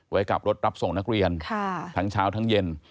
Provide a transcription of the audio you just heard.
ไว้กับรถรับส่งนักเรียนทั้งเช้าทั้งเย็น